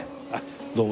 どうも。